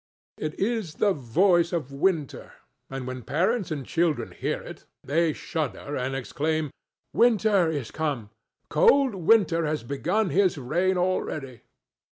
It is the voice of Winter; and when parents and children hear it, they shudder and exclaim, "Winter is come. Cold Winter has begun his reign already."